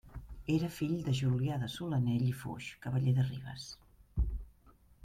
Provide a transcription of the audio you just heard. Era fill de Julià de Solanell i Foix, cavaller de Ribes.